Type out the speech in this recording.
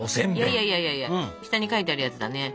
いやいやいやいや下に書いてあるやつだね。